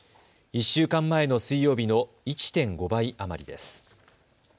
１週間前の水曜日の１．５倍余りです。